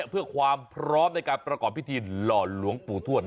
เพื่อความพร้อมในการประกอบพิธีหล่อหลวงปู่ทวด